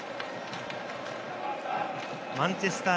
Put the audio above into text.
マンチェスター